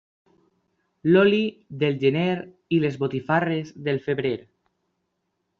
L'oli, del gener, i les botifarres, del febrer.